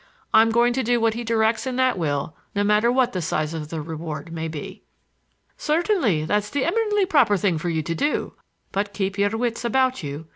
I'm going to do what he directs in that will no matter what the size of the reward may be." "Certainly; that's the eminently proper thing for you to do. But,—but keep your wits about you.